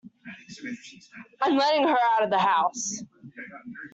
I'm letting her out of the house.